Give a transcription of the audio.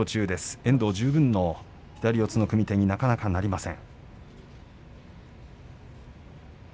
遠藤十分の左四つの組み手になかなかなりません。